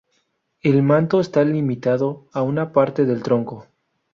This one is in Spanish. El manto está limitado a una parte del tronco.